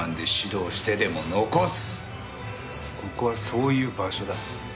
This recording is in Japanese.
「ここはそういう場所だ」